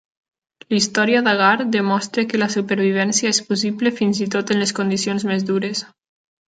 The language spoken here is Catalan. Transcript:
La història d'Hagar demostra que la supervivència és possible fins i tot en les condicions més dures.